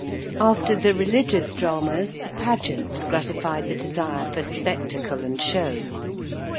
After the religious dramas, the Pageants gratified the desire for spectacle and show.